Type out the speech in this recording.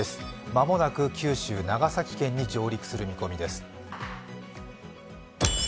間もなく九州・長崎県に上陸する見込みです。